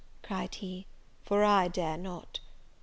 "cried he, "for I dare not."